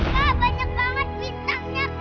kak banyak banget bintangnya kak